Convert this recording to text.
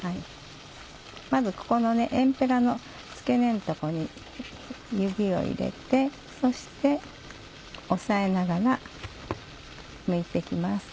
まずここのエンペラの付け根の所に指を入れてそして押さえながらむいて行きます。